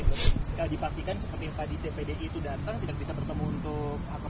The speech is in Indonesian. kalau dipastikan seperti yang tadi di tpd itu datang